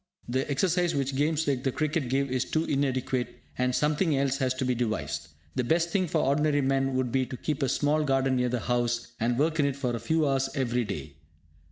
The exercise which games like the cricket give is too inadequate, and something else has to be devised. The best thing for ordinary men would be to keep a small garden near the house, and work in it for a few hours every day.